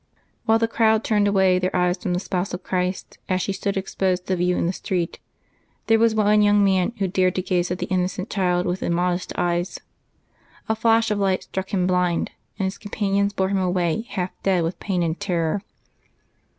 Whilst the crowd turned away their eyes from the spouse of Christ, as she stood exposed to view in the street, there was one young man who dared to gaze at the innocent child with immodest eyes. A flash of light struck him blind, and his companions bore him away half dead with pain and terror.